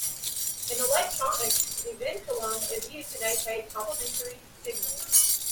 In electronics, the vinculum is used to notate complementary signals.